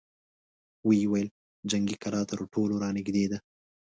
ويې ويل: جنګي کلا تر ټولو را نېږدې ده!